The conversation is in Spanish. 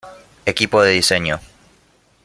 Equipo de diseño